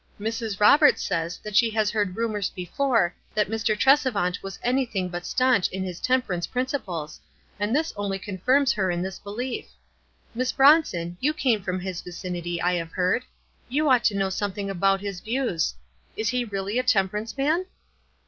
Mrs. Roberts says she has WISE AND OTHERWISE. 169 heard rumors before that Mr. Tresevant was anything but stanch in his temperance princi ples, and this only confirms her in this belief. Miss Bronson, you came from his vicinity, I have heard. You ought to know something abort his views. Is he really a temperance man?"